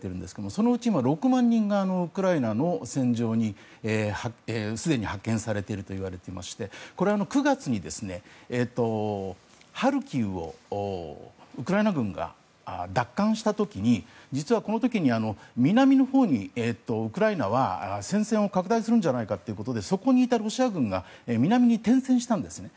そのうち６万人がウクライナの戦場にすでに派遣されているといわれていましてこれは９月にハルキウをウクライナ軍が奪還した時に南のほうにウクライナは戦線を拡大するんじゃないかということでそこにいたロシア軍が南に転戦したんですね。